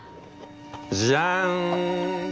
じゃん！